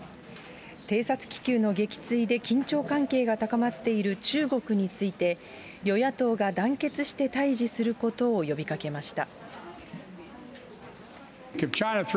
偵察気球の撃墜で緊張関係が高まっている中国について、与野党が団結して対じすることを呼びかけました。